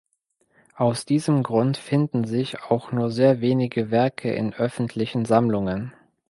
Aus diesem Grund finden sich auch nur sehr wenige Werke in öffentlichen Sammlungen.